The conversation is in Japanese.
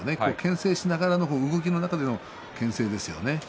けん制しながら動きの中でのけん制ですね。